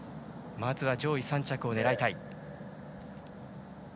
まずは上位３着を狙いたい。